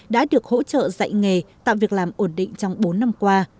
đã được hỗ trợ dạy nghề tạo việc làm ổn định trong bốn năm qua